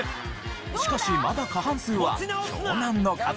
しかしまだ過半数は湘南乃風。